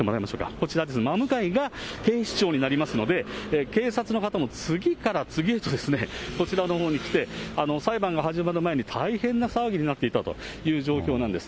こちらですね、真向かいが警視庁になりますので、警察の方も次から次へと、こちらのほうに来て、裁判が始まる前に大変な騒ぎになっていたという状況なんです。